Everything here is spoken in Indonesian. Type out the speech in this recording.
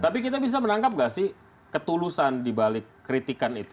tapi kita bisa menangkap nggak sih ketulusan dibalik kritikan itu